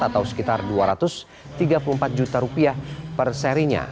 atau sekitar dua ratus tiga puluh empat juta rupiah per serinya